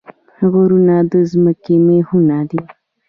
غرونه د ځمکې میخونه دي